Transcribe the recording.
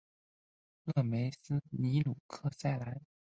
勒梅斯尼鲁克塞兰。